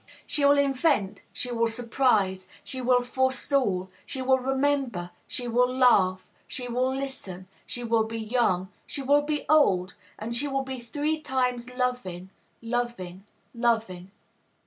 She will invent, she will surprise, she will forestall, she will remember, she will laugh, she will listen, she will be young, she will be old, and she will be three times loving, loving, loving.